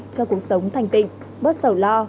cho cuộc sống thành tịnh bớt sầu lo